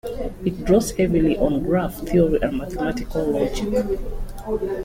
It draws heavily on graph theory and mathematical logic.